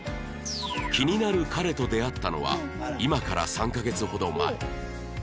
気になる彼と出会ったのは今から３カ月ほど前